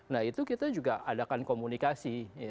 nah itu kita juga adakan komunikasi